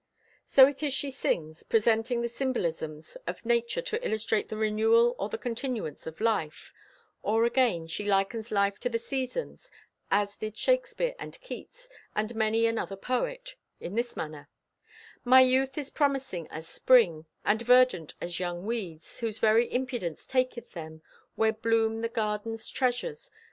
So it is she sings, presenting the symbolisms of nature to illustrate the renewal or the continuance of life; or again, she likens life to the seasons (as did Shakespeare and Keats, and many another poet) in this manner: My youth is promising as spring, And verdant as young weeds, Whose very impudence taketh them Where bloom the garden's treasures.